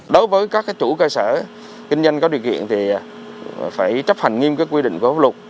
đối với các chủ cơ sở kinh doanh có điều kiện thì phải chấp hành nghiêm quy định phối hợp lục